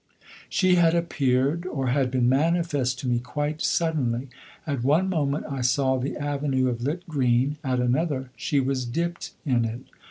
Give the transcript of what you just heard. She had appeared, or had been manifest to me, quite suddenly. At one moment I saw the avenue of lit green, at another she was dipt in it.